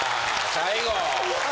最後。